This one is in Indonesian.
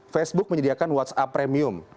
facebook menyediakan whatsapp premium